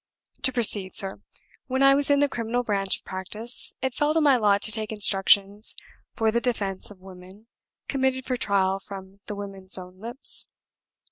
To proceed, sir. When I was in the criminal branch of practice, it fell to my lot to take instructions for the defense of women committed for trial from the women's own lips.